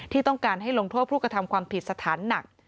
ที่ต้องการให้ลงโทษผู้กระทำความผิดสถานหนัก